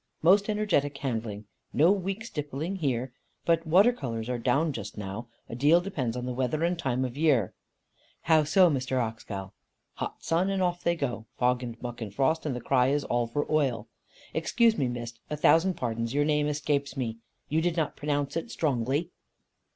Most energetic handling; no weak stippling here. But water colours are down just now; a deal depends on the weather and time of year." "How so, Mr. Oxgall?" "Hot sun, and off they go. Fog and murk and frost, and the cry is all for oil. Excuse me, Miss a thousand pardons, your name escaped me, you did not pronounce it strongly."